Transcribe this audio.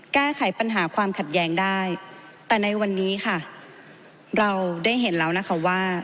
แก้ไขปัญหาความขัดแย้งได้แต่ในวันนี้ค่ะเราได้เห็นแล้วนะคะว่า